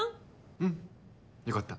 うんよかった。